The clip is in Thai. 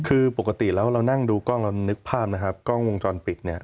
คือปกติแล้วเรานั่งดูกล้องเรานึกภาพนะครับกล้องวงจรปิดเนี่ย